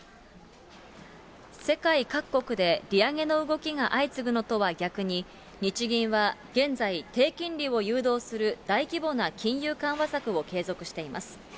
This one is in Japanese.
世界各国で利上げの動きが相次ぐのとは逆に、日銀は現在、低金利を誘導する大規模な金融緩和策を継続しています。